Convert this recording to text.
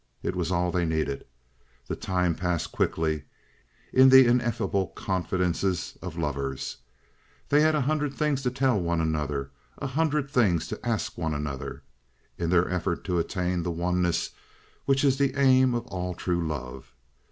It was all they needed. The time passed quickly in the ineffable confidences of lovers. They had a hundred things to tell one another, a hundred things to ask one another, in their effort to attain that oneness which is the aim of all true love.